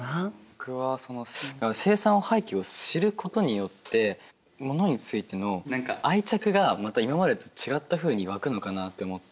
僕は生産の背景を知ることによってものについての何か愛着がまた今までと違ったふうにわくのかなって思って。